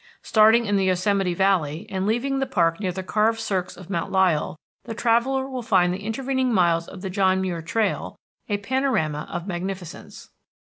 Starting in the Yosemite Valley, and leaving the park near the carved cirques of Mount Lyell, the traveller will find the intervening miles of the John Muir Trail a panorama of magnificence.